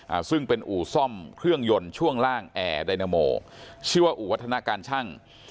อ่าซึ่งเป็นอู่ซ่อมเครื่องยนต์ช่วงล่างแอร์ไดนาโมชื่อว่าอู่วัฒนาการช่าง